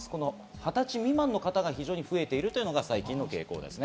２０歳未満の方が非常に増えているというのが最近の傾向です。